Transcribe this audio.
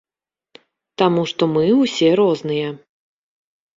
Таму што мы ўсе розныя.